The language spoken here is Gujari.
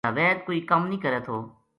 جاوید کوئی کَم نیہہ کرے تھو